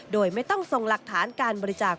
โดยไม่ต้องส่งหลักฐานการบริจาค